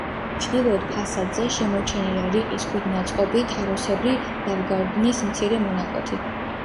ჩრდილოეთ ფასადზე შემორჩენილია რიყის ქვით ნაწყობი, თაროსებრი ლავგარდნის მცირე მონაკვეთი.